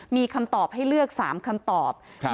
มีคำตอบให้เลือก๓คำตอบ